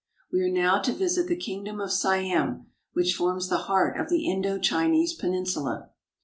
We are now to visit the Kingdom of Siam, which forms the heart of the Indo Chinese Peninsula.